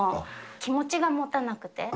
気持ちがもたなくて。